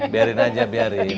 biarin aja biarin